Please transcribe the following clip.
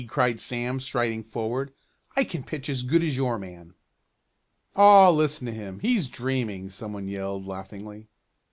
cried Sam striding forward. "I can pitch as good as your man." "Aw, listen to him! He's dreaming!" some one yelled, laughingly.